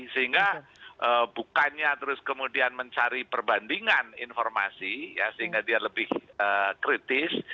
sehingga bukannya terus kemudian mencari perbandingan informasi sehingga dia lebih kritis